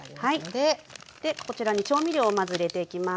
でこちらに調味料をまず入れていきます。